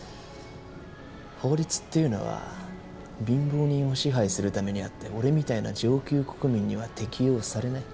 法律っていうのは貧乏人を支配するためにあって俺みたいな上級国民には適用されない。